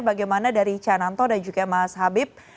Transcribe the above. bagaimana dari cananto dan juga mas habib